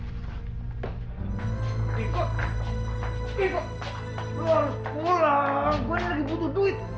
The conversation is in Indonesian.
gue ini lagi butuh duit